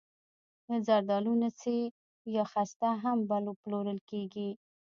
د زردالو نڅي یا خسته هم پلورل کیږي.